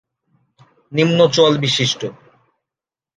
নিম্ন চোয়াল বিশিষ্ট।